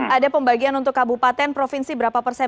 ada pembagian untuk kabupaten provinsi berapa persen